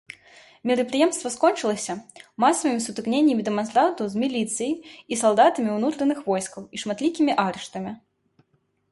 Мерапрыемства скончылася масавымі сутыкненнямі дэманстрантаў з міліцыяй і салдатамі ўнутраных войскаў і шматлікімі арыштамі.